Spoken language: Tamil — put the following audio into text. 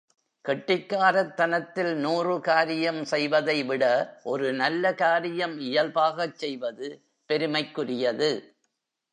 கெட்டிக்காரத் தனத்தில் நூறு காரியம் செய்வதைவிட ஒரு நல்ல காரியம் இயல்பாகச் செய்வது பெருமைக்குரியது.